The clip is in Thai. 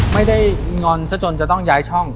ไม่ได้งอนซะจนจะต้องย้ายช่อง